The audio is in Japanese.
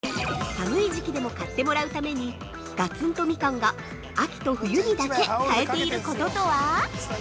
◆寒い時期でも買ってもらうためにガツン、とみかんが、秋と冬にだけ変えていることとは？